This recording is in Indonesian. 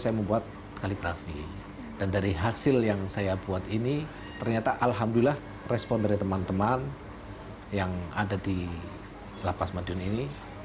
saya membuat kaligrafi dan dari hasil yang saya buat ini ternyata alhamdulillah respon dari teman teman yang ada di lapas madiun ini